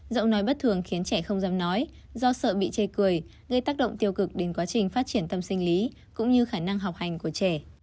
giọng nói bất thường khiến trẻ không dám nói do sợ bị chơi cười gây tác động tiêu cực đến quá trình phát triển tâm sinh lý cũng như khả năng học hành của trẻ